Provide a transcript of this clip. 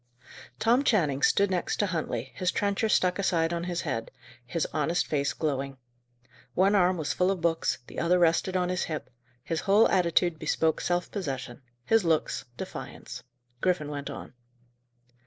Tom Channing stood near to Huntley, his trencher stuck aside on his head, his honest face glowing. One arm was full of books, the other rested on his hip: his whole attitude bespoke self possession; his looks, defiance. Griffin went on.